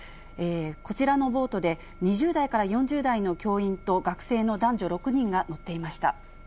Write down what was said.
こちらのボートで、２０代から４０代の教員と学生の男女６人が乗っていました。